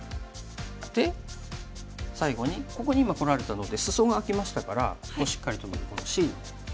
で最後にここに今こられたのでスソが空きましたからここしっかり止めるこのＣ。